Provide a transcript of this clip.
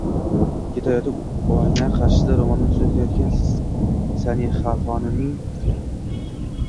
ketayotib oyna qarshisida ro'molini tuzatayotgan Sanixaxonimning